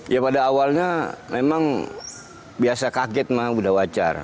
ya pada awalnya memang biasa kaget mah udah wajar